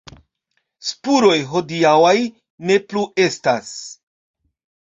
Spuroj hodiaŭaj ne plu estas.